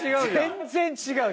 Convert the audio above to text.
全然違う。